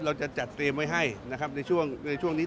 เราจะจัดเตรียมไว้ให้ในช่วงนี้